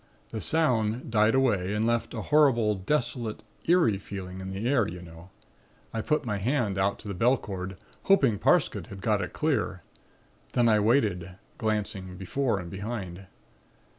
The sound died away and left a horrible, desolate, eerie feeling in the air, you know. I put my hand out to the bell cord, hoping Parsket had got it clear. Then I waited, glancing before and behind.